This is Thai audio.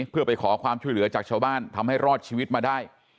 เพื่อไปขอความช่วยเหลือจากชาวบ้านทำให้รอดชีวิตมาได้